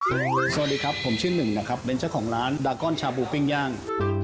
สวัสดีครับผมชื่อหนึ่งนะครับเป็นเจ้าของร้านดาก้อนชาบูปิ้งย่าง